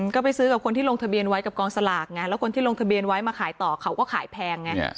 ก็ไปซื้อกับคนที่ลงทะเบียนไว้กับกองสลากไงแล้วคนที่ลงทะเบียนไว้มาขายต่อเขาก็ขายแพงไง